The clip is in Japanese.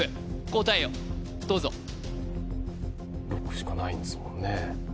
答えをどうぞ６しかないんですもんね